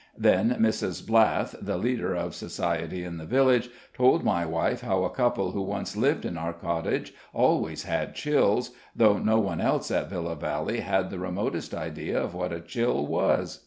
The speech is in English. Then Mrs. Blathe, the leader of society in the village, told my wife how a couple who once lived in our cottage always had chills, though no one else at Villa Valley had the remotest idea of what a chill was.